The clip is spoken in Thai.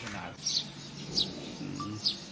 ครับ